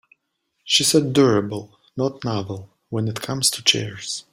She said durable not novel when it comes to chairs.